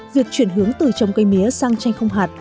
việc chuyển hướng từ trồng cây mía sang chanh không hạt